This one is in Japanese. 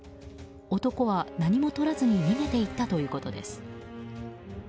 男は、何もとらずに逃げていったということです。